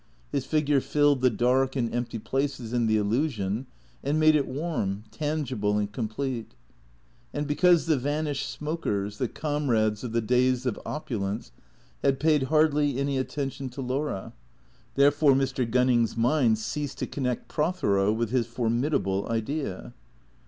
His figure filled the dark and empty places in the illusion, and made it warm, tangible and complete. And because the vanished smokers, the comrades of the days of opulence, had paid hardly any attention to Laura, therefore Mr. Gunning's mind ceased to connect Prothero with his formidable idea.